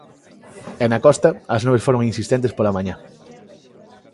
E na costa, as nubes foron insistentes pola mañá.